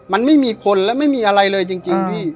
มันไม่มีคนและไม่มีอะไรเลยจริงพี่